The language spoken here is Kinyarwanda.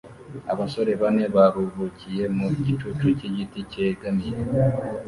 Abasore bane baruhukiye mu gicucu cyigiti cyegamiye